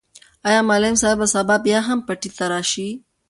آیا معلم صاحب به سبا بیا هم پټي ته راشي؟